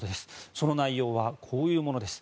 その内容はこういうものです。